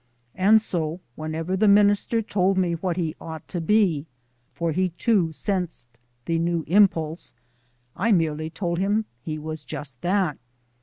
And so whenever the minister told me what he ought to be for he too sensed the new impulse I merely told him he was just that.